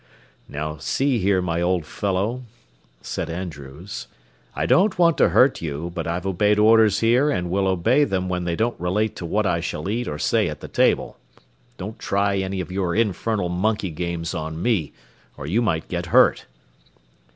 "Now see here, my old fellow," said Andrews, "I don't want to hurt you, but I've obeyed orders here and will obey them when they don't relate to what I shall eat or say at the table. Don't try any of your infernal monkey games on me, or you might get hurt."